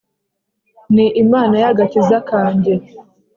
ni Imana y agakiza kanjye